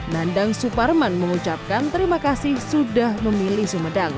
nandang suparman mengucapkan terima kasih sudah memilih sumedang